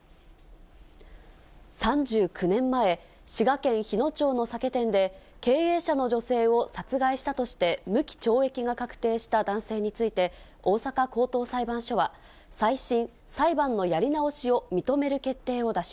３９年前、滋賀県日野町の酒店で、経営者の女性を殺害したとして、無期懲役が確定した男性について、大阪高等裁判所は、再審・裁判のやり直